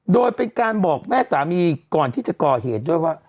โดยเป็นการบอกแม่สามีก่อนที่จะก่อเหตุด้วยว่า